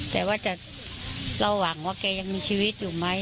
แต่ว่าเราหวังว่าแกยังมีชีวิตอยู่ไหม